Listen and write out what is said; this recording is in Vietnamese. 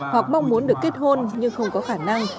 hoặc mong muốn được kết hôn nhưng không có khả năng